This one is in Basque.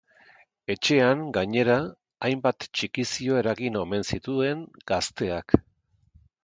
Etxean, gainera, hainbat txikizio eragin omen zituen gazteak.